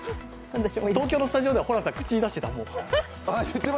東京のスタジオではホランさん、口に出してた、もう。